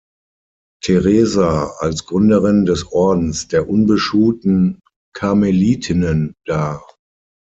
Theresa als Gründerin des Ordens der unbeschuhten Karmelitinnen dar.